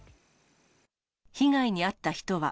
被害に遭った人は。